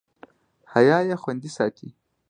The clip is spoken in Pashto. حیا یې خوندي ساتي.